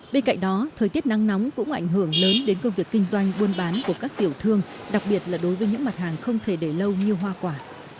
bên cạnh đó thời tiết nắng nóng cũng ảnh hưởng lớn đến công việc kinh doanh buôn bán của các tiểu thương đặc biệt là đối với những mặt hàng không thể để lâu như hoa quả